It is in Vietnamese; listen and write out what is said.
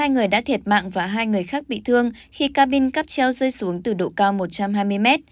một mươi hai người đã thiệt mạng và hai người khác bị thương khi cabin cắp treo rơi xuống từ độ cao một trăm hai mươi m